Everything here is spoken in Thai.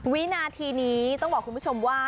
วินาทีนี้ต้องบอกคุณผู้ชมว่า